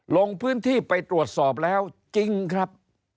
ลงพื้นที่ไปตรวจสอบแล้วจริงครับ